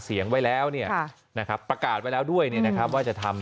เสียงไว้แล้วเนี่ยนะครับประกาศไว้แล้วด้วยเนี่ยนะครับว่าจะทำ